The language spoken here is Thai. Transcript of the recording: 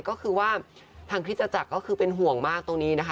ก็คือว่าทางคริสตจักรก็คือเป็นห่วงมากตรงนี้นะคะ